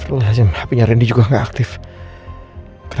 eh mbak mirna